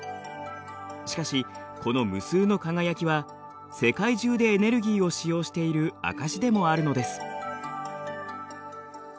しかしこの無数の輝きは世界中でエネルギーを使用している証しでもあるのです。